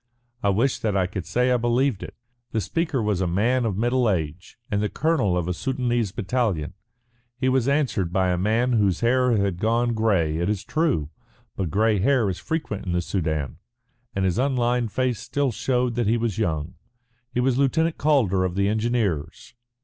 "I wish that I could say I believed it." The speaker was a man of middle age and the colonel of a Soudanese battalion. He was answered by a man whose hair had gone grey, it is true. But grey hair is frequent in the Soudan, and his unlined face still showed that he was young. He was Lieutenant Calder of the Engineers.